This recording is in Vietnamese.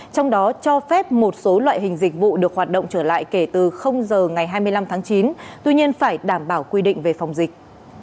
trong đó cho phép một số loại hình dịch vụ được hoạt động trở lại kể từ giờ ngày hai mươi năm tháng chín tuy nhiên phải đảm bảo quy định về phòng dịch